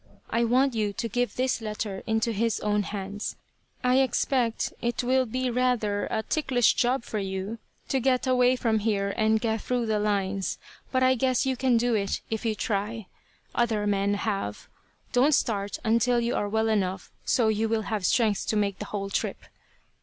I want you to give this letter into his own hands. I expect it will be rather a ticklish job for you to get away from here and get through the lines, but I guess you can do it if you try. Other men have. Don't start until you are well enough so you will have strength to make the whole trip."